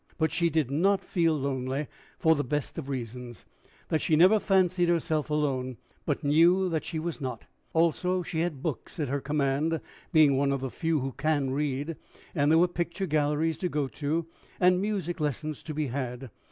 But she did not feel lonely, for the best of reasons that she never fancied herself alone, but knew that she was not. Also she had books at her command, being one of the few who can read; and there were picture galleries to go to, and music lessons to be had.